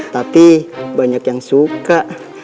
tapi banyak yang suka